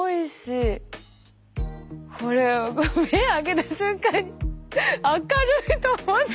これ目開けた瞬間明るいと思って。